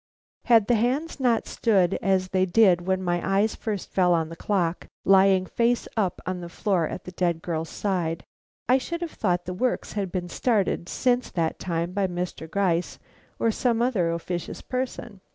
Had the hands not stood as they did when my eyes first fell on the clock lying face up on the floor at the dead girl's side, I should have thought the works had been started since that time by Mr. Gryce or some other officious person.